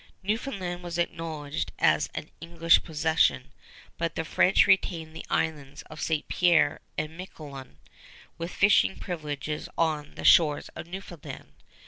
Newfoundland was acknowledged as an English possession, but the French retained the islands of St. Pierre and Miquelon, with fishing privileges on the shores of Newfoundland.